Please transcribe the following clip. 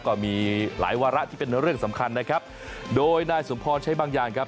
ก็มีหลายวาระที่เป็นเรื่องสำคัญนะครับโดยนายสมพรใช้บางอย่างครับ